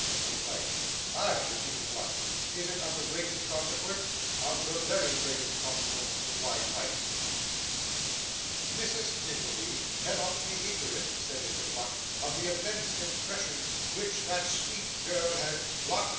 echoed Pyke. 'Ay,' repeated Pluck; 'is it of the greatest consequence?' 'Of the very greatest consequence,' replied Pyke. 'Mrs. Nickleby cannot be ignorant,' said Mr. Pluck, 'of the immense impression which that sweet girl has ' 'Pluck!